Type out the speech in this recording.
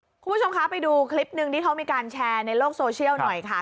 คุณผู้ชมคะไปดูคลิปหนึ่งที่เขามีการแชร์ในโลกโซเชียลหน่อยค่ะ